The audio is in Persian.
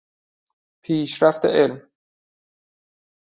پیشرفت علم